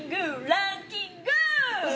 ランキング！